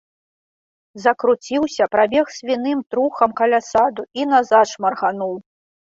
Закруціўся, прабег свіным трухам каля саду і назад шмаргануў.